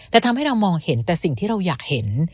แต่ทำให้เรามองเห็นแต่สิ่งที่เราอยากเห็น